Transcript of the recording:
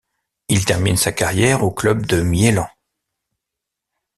Il termine sa carrière au club de Miélan.